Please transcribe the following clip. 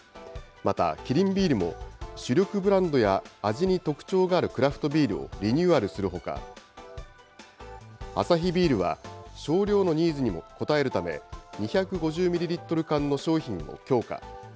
またキリンビールも、主力ブランドや味に特徴があるクラフトビールをリニューアルするほか、アサヒビールは、少量のニーズにも応えるため、２５０ミリリットル缶の商品を強化。